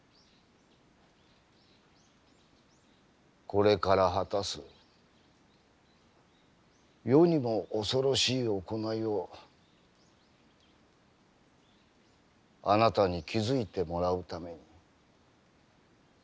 これから果たす世にも恐ろしい行いをあなたに気付いてもらうために。